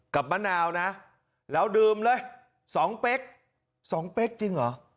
กับไม่นาุนะแล้วดื่มเลย๒แป๊กสองเป๊กจริงเหรอ